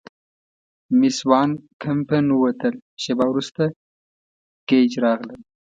مېس وان کمپن ووتل، شیبه وروسته ګېج راغلل.